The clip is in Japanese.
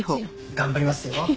頑張りますよ。